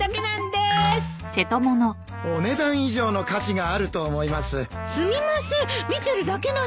すみません。